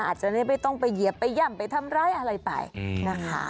อาจจะได้ไม่ต้องไปเหยียบไปย่ำไปทำร้ายอะไรไปนะคะ